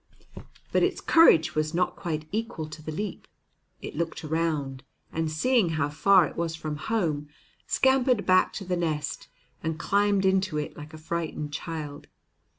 But its courage was not quite equal to the leap; it looked around, and, seeing how far it was from home, scampered back to the nest, and climbed into it like a frightened child.